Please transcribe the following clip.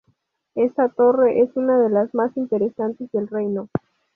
Esta torre es una de las más interesantes del Reino.